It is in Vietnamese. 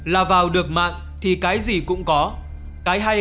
là vào được mạng thì cái gì cũng có cái hay